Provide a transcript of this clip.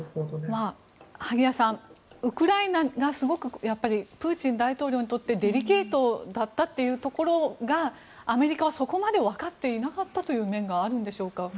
萩谷さん、ウクライナがすごく、プーチン大統領にとってデリケートだったというところがアメリカはそこまでわかっていなかったという面があるんでしょうか。